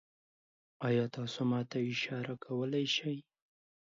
ایا تاسو ما ته اشاره کولی شئ؟